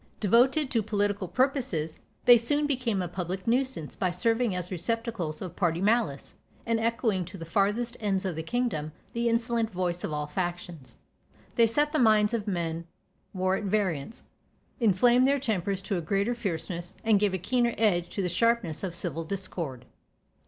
Devoted to political purposes, they soon became a public nuisance by serving as receptacles of party malice, and echoing to the farthest ends of the kingdom the insolent voice of all factions. They set the minds of men more at variance, inflamed their tempers to a greater fierceness, and gave a keener edge to the sharpness of civil discord.